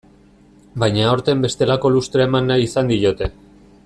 Baina aurten bestelako lustrea eman nahi izan diote.